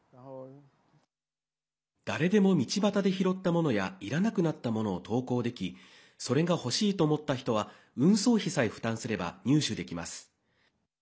誰でも道端で拾ったものやいらなくなったものを投稿できそれが欲しいと思った人は運送費さえ負担すれば入手できます。